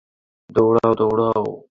দৌড়াও, দৌড়াও!